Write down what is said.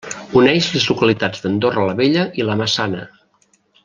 Uneix les localitats d'Andorra la Vella i La Massana.